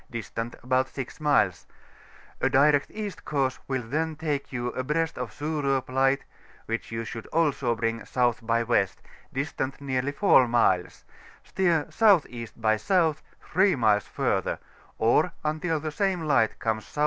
distant about 6 miles : a direct East course will then take you abreast of Surop Light, which you should also bring S. by W., distant nearly 4 miles; steer S.E. by S., 3 miles further, or until the same light comes S.W.